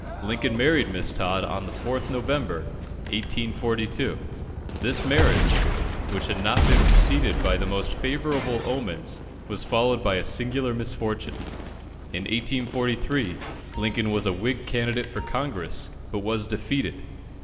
Lincoln married Miss Todd on the 4th November, 1842. This marriage, which had not been preceded by the most favourable omens, was followed by a singular misfortune. In 1843, Lincoln was a Whig candidate for Congress, but was defeated.